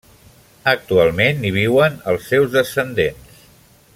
Actualment hi viuen els seus descendents.